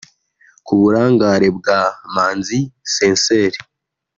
Ku burangare bwa Manzi Sincere